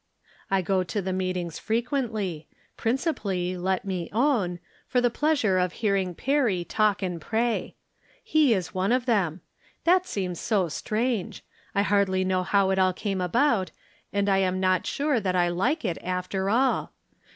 I go to the meetings frequently — principally, let me own, for the pleasure of hearing Perry talk and pray. He is 88 From Different Standpoints. one of them. That seems so strange. I hardly know how it all came about, and I am not sure that I Hke it, after all.